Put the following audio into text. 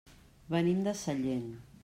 Venim de Sallent.